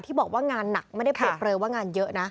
บอกว่างานหนักไม่ได้เปรียบเปลยว่างานเยอะนะ